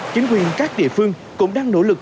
chính quyền các địa phương cũng đang nỗ lực